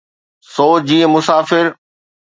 سو جيئن مسافر.